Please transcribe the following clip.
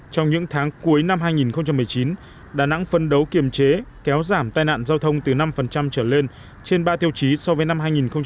trong những tháng cuối năm hai nghìn một mươi chín đà nẵng phân đấu kiềm chế kéo giảm tai nạn giao thông từ năm trở lên trên ba tiêu chí so với năm hai nghìn một mươi tám